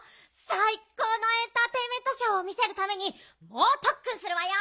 さいこうのエンターテインメントショーを見せるためにもうとっくんするわよ！